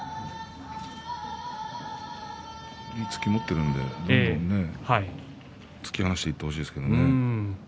いい突きを持っているのでどんどん突きを出してほしいですけどね。